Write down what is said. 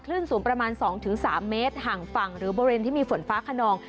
สูงประมาณ๒๓เมตรห่างฝั่งหรือบริเวณที่มีฝนฟ้าขนอง